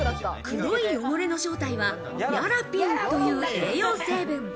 黒い汚れの正体はヤラピンという栄養成分。